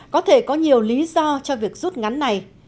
có thể có nhiều lý do cho việc rút ngắn này